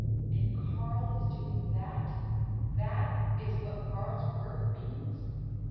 "And Karl is doing that? That is what Karl's work means?"